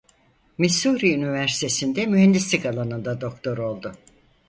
Missouri Üniversitesinde mühendislik alanında doktor oldu.